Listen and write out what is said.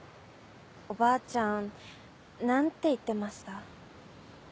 おばあちゃん何て言ってました？